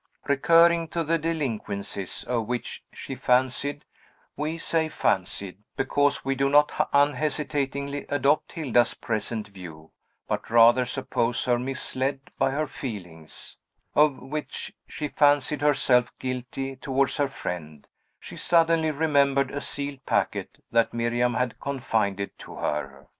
Recurring to the delinquencies of which she fancied (we say "fancied," because we do not unhesitatingly adopt Hilda's present view, but rather suppose her misled by her feelings) of which she fancied herself guilty towards her friend, she suddenly remembered a sealed packet that Miriam had confided to her.